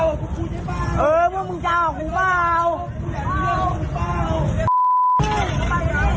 เฮ้มึงมึงก็ตายกันด้วย